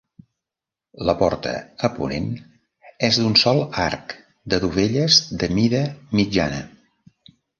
La porta, a ponent, és d'un sol arc de dovelles de mida mitjana.